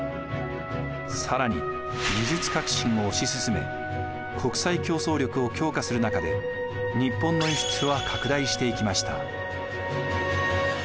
更に技術革新を推し進め国際競争力を強化する中で日本の輸出は拡大していきました。